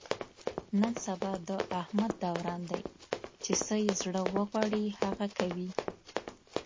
نن سبا د احمد دوران دی، چې څه یې زړه و غواړي هغه کوي.